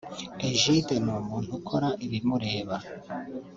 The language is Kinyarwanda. Egide ni umuntu ukora ibimureba